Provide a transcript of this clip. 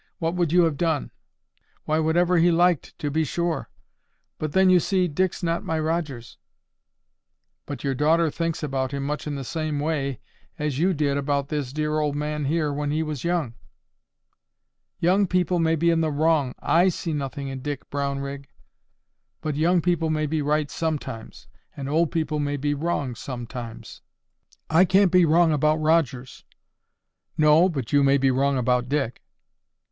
What would you have done?" "Why, whatever he liked to be sure. But then, you see, Dick's not my Rogers." "But your daughter thinks about him much in the same way as you did about this dear old man here when he was young." "Young people may be in the wrong, I see nothing in Dick Brownrigg." "But young people may be right sometimes, and old people may be wrong sometimes." "I can't be wrong about Rogers." "No, but you may be wrong about Dick."